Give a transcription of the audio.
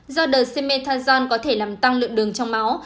do dexamethasone có thể làm tăng lượng đường trong máu